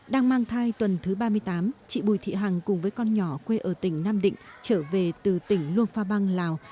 đang mang thai tuần thứ ba mươi tám chị bùi thị hằng cùng với con nhỏ quê ở tỉnh nam định trở về từ tỉnh luông pha băng lào